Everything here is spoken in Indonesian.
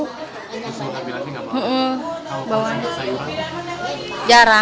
susu tapi lagi nggak mau